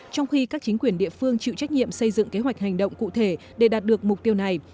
trong khi các chính quyền địa phương chịu trách nhiệm xây dựng kế hoạch hành động cụ thể để đạt được mục tiêu này